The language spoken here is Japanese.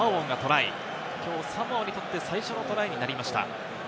きょうサモアにとって最初のトライになりました。